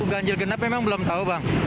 ganjil genap memang belum tahu bang